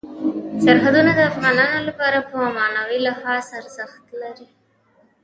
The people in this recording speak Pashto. سرحدونه د افغانانو لپاره په معنوي لحاظ ارزښت لري.